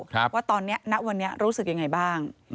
ว่าตอนนี้ณวันนี้รู้สึกยังไงบ้าง